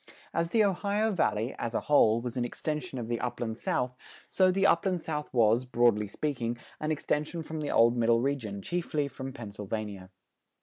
As the Ohio Valley, as a whole, was an extension of the Upland South, so the Upland South was, broadly speaking, an extension from the old Middle Region, chiefly from Pennsylvania.